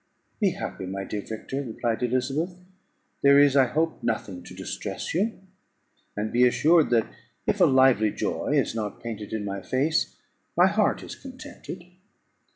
"Be happy, my dear Victor," replied Elizabeth; "there is, I hope, nothing to distress you; and be assured that if a lively joy is not painted in my face, my heart is contented.